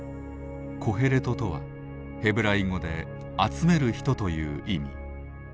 「コヘレト」とはヘブライ語で「集める人」という意味。